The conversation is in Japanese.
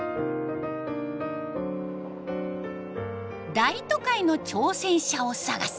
「大都会の挑戦者」を探す